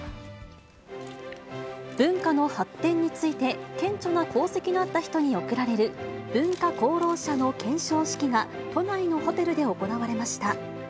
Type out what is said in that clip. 文化の発展について顕著な功績があった人に贈られる、文化功労者の顕彰式が都内のホテルで行われました。